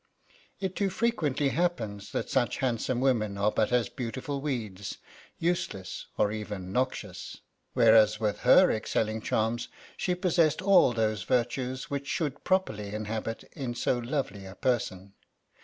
It too frequently happens that such handsome women are but as beautiful weeds, useless or even noxious ; whereas with her excelling charms, she possessed all those virtues which should properly inhabit in so lovely a person.